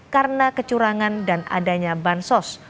karena kecurangan dan adanya bansos